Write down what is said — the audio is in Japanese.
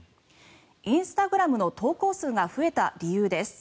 インスタグラムの投稿数が増えた理由です。